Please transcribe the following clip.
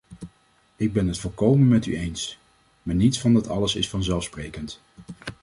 Ik ben het volkomen met u eens, maar niets van dat alles is vanzelfsprekend.